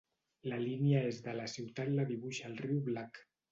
La línia est de la ciutat la dibuixa el riu Black.